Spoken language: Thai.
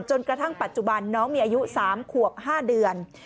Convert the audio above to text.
จนกระทั่งปัจจุบันน้องมีอายุ๓ขวบ๕เดือน